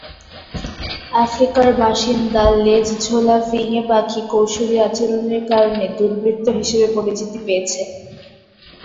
আফ্রিকার বাসিন্দা লেজঝোলা ফিঙে পাখি কৌশলী আচরণের কারণে দুর্বৃত্ত হিসেবে পরিচিতি পেয়েছে।